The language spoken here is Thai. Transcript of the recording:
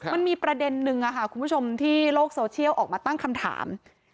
มันมีประเด็นนึงคุณผู้ชมที่โลกโซเชียลออกมาตั้งคำถาม